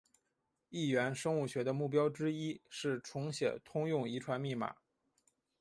异源生物学的目标之一是重写通用遗传密码。